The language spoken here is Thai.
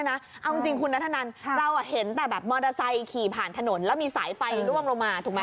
เอาจริงคุณนัทธนันเราเห็นแต่แบบมอเตอร์ไซค์ขี่ผ่านถนนแล้วมีสายไฟล่วงลงมาถูกไหม